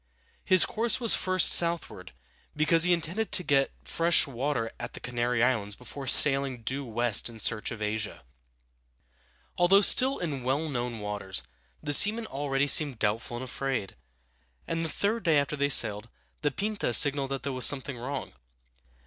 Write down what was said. His course was first southward, because he intended to get fresh water at the Canary Islands before sailing due west in search of Asia. [Illustration: The Santa Maria.] Although still in well known waters, the seamen already seemed doubtful and afraid, and the third day after they sailed, the Pinta signaled that there was something wrong.